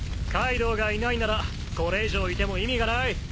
カイドウがいないならこれ以上いても意味がない。